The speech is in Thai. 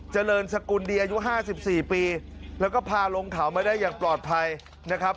เจริญสกุลเดียอยู่ห้าสิบสี่ปีแล้วก็พาลงเขามาได้อย่างปลอดภัยนะครับ